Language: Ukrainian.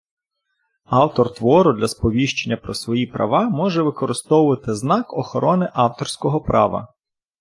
автор твору для сповіщення про свої права може використовувати знак охорони авторського права